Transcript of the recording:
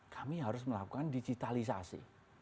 kami harus melakukan digitalisasi